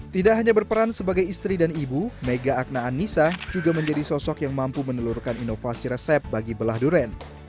tidak hanya berperan sebagai istri dan ibu mega akna anissa juga menjadi sosok yang mampu menelurkan inovasi resep bagi belah duren